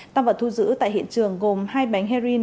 tăng vật thu giữ tại hiện trường gồm hai bánh heroin